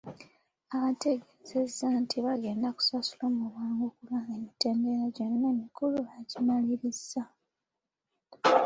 Abategeezezza nti bagenda kusasulwa mu bwangu kubanga emitendera gyonna emikulu bagimalirizza.